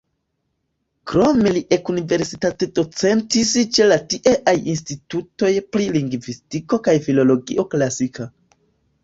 Krome li ekuniversitatdocentis ĉe la tieaj institutoj pri lingvistiko kaj filologio klasika.